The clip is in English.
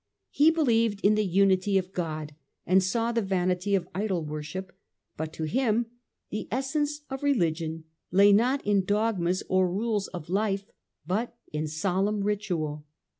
He belie /ed in the unity of God, and saw the vanity of idol worship ; but to him the essence of religion lay not in dogmas or rules of life, but in solemn ritual.